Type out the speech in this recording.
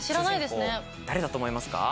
主人公誰だと思いますか？